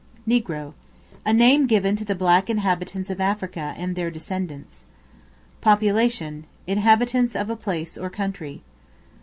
Negro, a name given to the black inhabitants of Africa and their descendants. Population, inhabitants of a place or country.